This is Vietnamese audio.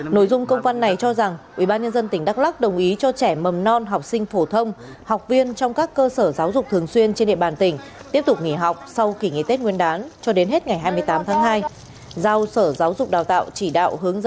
nội dung công văn này cho rằng ubnd tỉnh đắk lắk đồng ý cho trẻ mầm non học sinh phổ thông học viên trong các cơ sở giáo dục thường xuyên trên địa bàn tỉnh tiếp tục nghỉ học sau kỷ nghị tết nguyên đán cho đến hết ngày hai mươi tám tháng hai